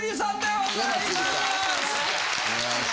お願いします。